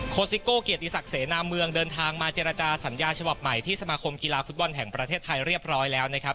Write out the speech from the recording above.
ซิโก้เกียรติศักดิเสนาเมืองเดินทางมาเจรจาสัญญาฉบับใหม่ที่สมาคมกีฬาฟุตบอลแห่งประเทศไทยเรียบร้อยแล้วนะครับ